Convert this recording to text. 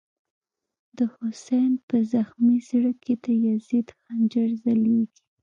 دحسین” په زخمی زړه کی، دیزید خنجر ځلیږی”